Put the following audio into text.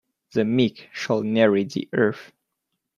The meek shall inherit the earth.